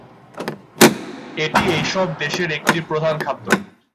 এটি এইসব দেশের একটি প্রধান খাদ্য।